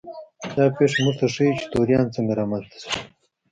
دا پېښه موږ ته ښيي چې توریان څنګه رامنځته شول.